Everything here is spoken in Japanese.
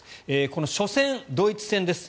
この初戦、ドイツ戦です。